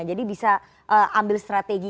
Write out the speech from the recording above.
jadi bisa ambil strategi